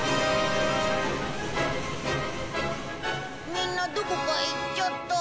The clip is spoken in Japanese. みんなどこかへ行っちゃった。